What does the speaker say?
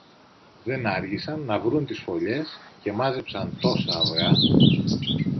Δεν άργησαν να βρουν τις φωλιές και μάζεψαν τόσα αυγά